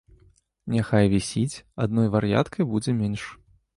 Няхай вісіць, адной вар'яткай будзе менш.